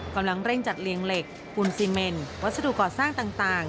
กำลังเร่งจัดเรียงเหล็กปูนซีเมนวัสดุก่อสร้างต่าง